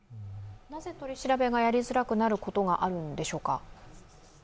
なぜ取り調べがやりづらくなることがあるんでしょうか？